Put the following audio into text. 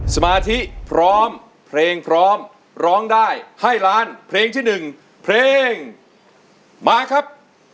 สมาธิพร้อมเพลงพร้อมร้องได้ให้ล้านเพลงที่๑เพลงมาครับ